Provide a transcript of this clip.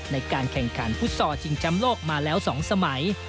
ในการแข่งขันฟุตซอลชิงจำโลกมาแล้ว๒สมัย